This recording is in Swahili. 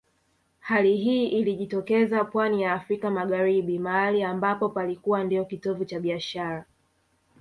Hali hii ilijitokeza pwani ya Afrika Magharibi mahali ambapo palikuwa ndio kitovu cha biashara